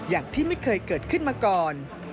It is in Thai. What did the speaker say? อย่างที่ไม่เคยเกิดขึ้นมาก่อน